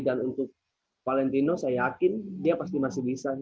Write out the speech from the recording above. dan untuk valentino saya yakin dia pasti masih bisa nih